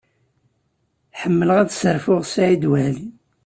Ḥemmleɣ ad sserfuɣ Saɛid Waɛli.